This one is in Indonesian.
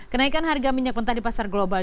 kenaikan harga minyak mentah di pasar global